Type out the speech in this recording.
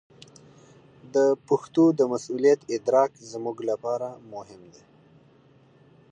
د پښتو د مسوولیت ادراک زموږ لپاره مهم دی.